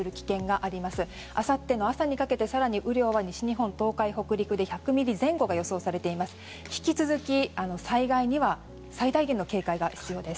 あさっての朝にかけて更に雨量は西日本東海、北陸で１００ミリ前後が予想されています。